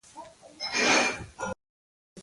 د صبر لمن د خیر سرچینه ده.